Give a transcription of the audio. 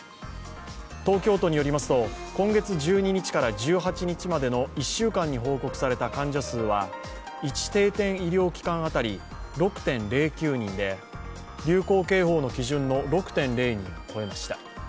東京都によりますと今月１２日から１８日までの１週間に報告された患者数は１定点医療機関当たり６．０９人で流行警報の基準の６．０人を超えました。